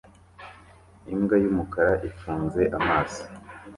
Imbwa yumukara ifunze amaso